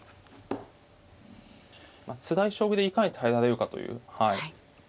つらい将棋でいかに耐えられるかという。